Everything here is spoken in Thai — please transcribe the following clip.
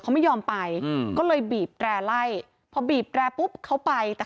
มันไม่รู้เรื่องหรอ